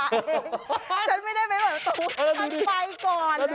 ฉันไปก่อนเลย